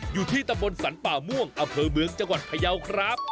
อยู่ที่ตำบลสรรป่าม่วงอำเภอเมืองจังหวัดพยาวครับ